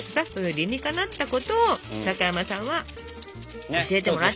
理にかなったことを高山さんは教えてもらってたわけ。